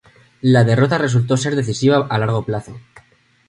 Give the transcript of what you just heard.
La derrota resultó ser decisiva a largo plazo.